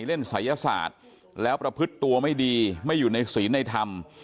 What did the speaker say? ศัยศาสตร์แล้วประพฤติตัวไม่ดีไม่อยู่ในศีลในธรรม